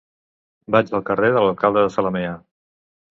Vaig al carrer de l'Alcalde de Zalamea.